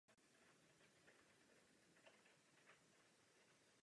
Tehdy se uváděl coby dědičný rychtář a majitel hospodářství.